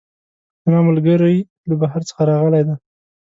زما ملګرۍ له بهر څخه راغلی ده